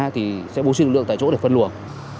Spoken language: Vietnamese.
thì sẽ bố truyền lượng tại chỗ để phân luồng